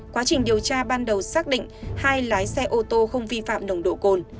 quá trình điều tra ban đầu xác định hai lái xe ô tô không vi phạm nồng độ cồn